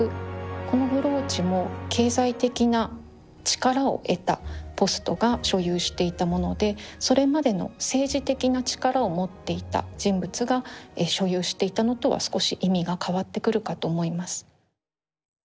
このブローチも経済的な力を得たポストが所有していたものでそれまでの政治的な力を持っていた人物が所有していたのとは少し意味が変わってくるかと思います。